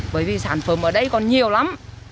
bởi vì sản phẩm ở đây còn nhiều lắm